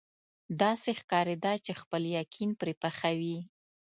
داسې ښکارېده چې خپل یقین پرې پخوي.